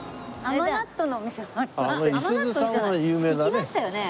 行きましたよね？